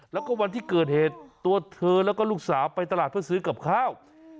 แล้วก็วันที่เกิดเหตุตัวเธอแล้วก็ลูกสาวไปตลาดเพื่อซื้อกับข้าว